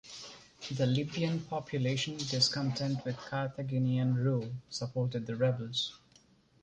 The Libyan population, discontent with Carthaginian rule, supported the rebels.